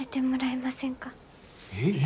え。